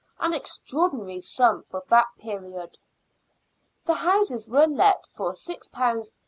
an extraordinary sum for that period. The houses were let for £6 13s. 46..